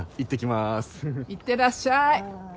はーい。いってらっしゃい！